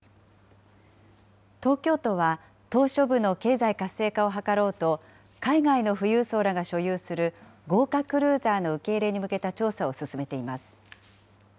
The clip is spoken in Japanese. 東京都は、島しょ部の経済活性化を図ろうと、海外の富裕層らが所有する豪華クルーザーの受け入れに向けた調査を進めています。